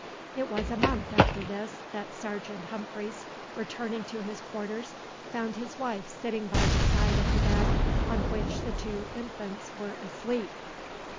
It was a month after this that Sergeant Humphreys, returning to his quarters, found his wife sitting by the side of the bed on which the two infants were asleep.